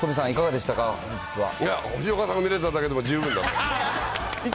いや、藤岡さんが見れただけでも十分です。